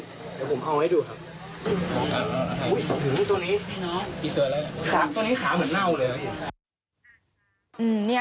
ตัวนี้ขาเหมือนเน่าเลย